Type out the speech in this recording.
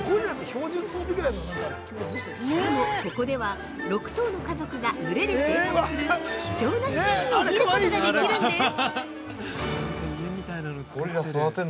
しかも、ここでは６頭の家族が群れで生活する貴重なシーンを見ることができるんです。